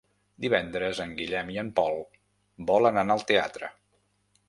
Divendres en Guillem i en Pol volen anar al teatre.